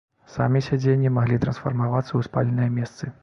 Самі сядзенні маглі трансфармавацца ў спальныя месцы.